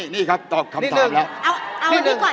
นี่ครับตอบคำถามแล้ว